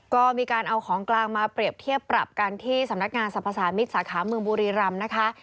ก็มีการเอาของกลางมาเปรียบเทียบปรับกันที่สำนักงานสรรพสามิตรสาขาเมืองบุรีรำนะคะ